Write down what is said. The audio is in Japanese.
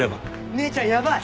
姉ちゃんヤバい！